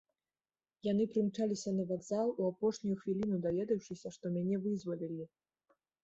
Яны прымчаліся на вакзал, у апошнюю хвіліну даведаўшыся, што мяне вызвалілі.